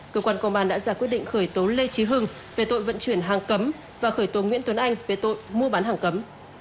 cơ quan công an đã ra quyết định khởi tố lê trí hưng về tội vận chuyển hàng cấm và khởi tố nguyễn tuấn anh về tội mua bán hàng cấm